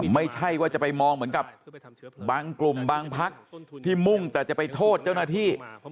ไม่ใช่ว่าจะไปมองเหมือนกับบางกลุ่มบางพักที่มุ่งแต่จะไปโทษเจ้าหน้าที่